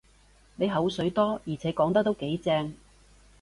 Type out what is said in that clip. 你口水多，而且講得都幾正